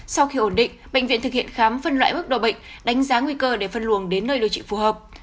sau khi ổn định bệnh viện thực hiện khám phân loại bước đầu bệnh đánh giá nguy cơ để phân luồng đến nơi điều trị phù hợp